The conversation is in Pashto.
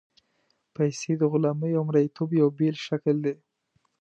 پیسې د غلامۍ او مرییتوب یو بېل شکل دی.